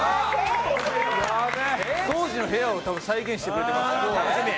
当時の部屋を再現してくれてますからね。